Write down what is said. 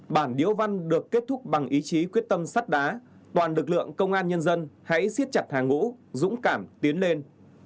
bản điếu văn được kết thúc bằng ý chí quyết tâm sắt đá toàn lực lượng công an nhân dân hãy xiết chặt hàng ngũ dũng cảm tiến lên